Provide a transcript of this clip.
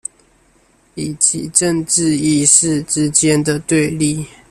以及政治意識之間的對立